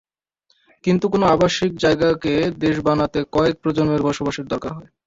কিন্তু কোনো আবাসিক জায়গাকে দেশ বানাতে কয়েক প্রজন্মের বসবাসের দরকার হয়।